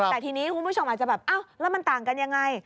แต่ทีนี้คุณผู้ชมอาจจะแบบอ้าวแล้วมันต่างกันยังไง